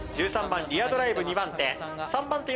１３番リアドライブ２番手。